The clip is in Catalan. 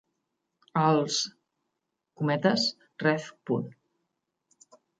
Els "Ref.